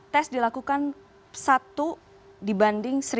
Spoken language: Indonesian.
tests dilakukan satu dibanding seribu